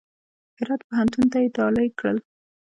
د هرات پوهنتون ته یې ډالۍ کړل.